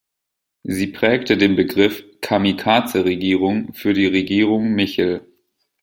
Sie prägte den Begriff "Kamikaze-Regierung" für die Regierung Michel.